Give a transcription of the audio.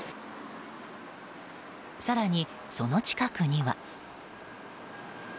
更に、その近くには。